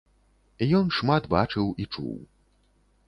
Ён шмат бачыў і чуў.